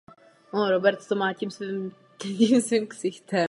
Dřevina není náročná na řez.